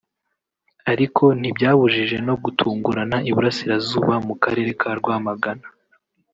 ariko ntibyabujje no gutungurana iburasirazuba mu Karere ka Rwamagana